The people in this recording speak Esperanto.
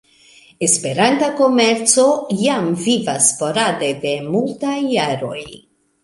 Esperanta komerco jam vivas sporade de multaj jaroj.